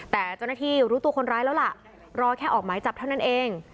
แต่เจ้าหน้าที่รู้ตัวคนร้ายแล้วล่ะรอแค่ออกหมายจับเท่านั้นเอง